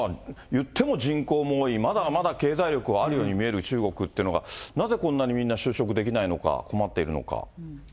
いっても人口も多い、まだまだ経済力はあるように見える中国ってのが、なぜこんなにみんな就職できないのか、困っているのか。